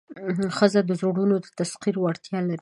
ښځه د زړونو د تسخیر وړتیا لري.